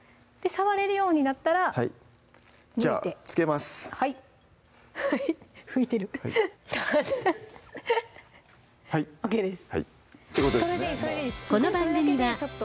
触れるようになったらむいてじゃあつけますはい浮いてるＯＫです